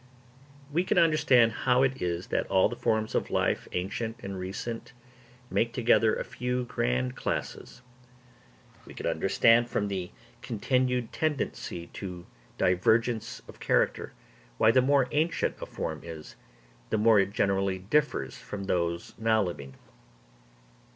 We can understand how it is that all the forms of life, ancient and recent, make together a few grand classes. We can understand, from the continued tendency to divergence of character, why the more ancient a form is, the more it generally differs from those now living.